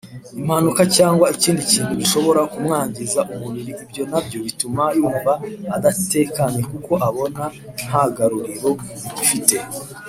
Impanuka cyangwa ikindi kintu gishobora kumwangiza umubiri ibyo nabyo bituma yumva adatekanye kuko abona ntagaruriro bigifite.